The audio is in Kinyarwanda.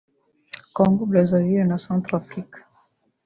Congo Brazzaville na Centrafrica